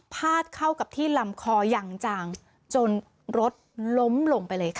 ดเข้ากับที่ลำคออย่างจางจนรถล้มลงไปเลยค่ะ